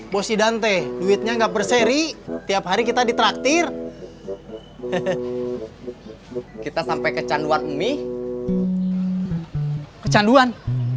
bos idante duitnya nggak perseri tiap hari kita ditraktir kita sampai ke canduan mie kecanduan